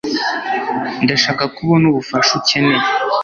ndashaka ko ubona ubufasha ukeneye